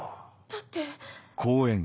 だって。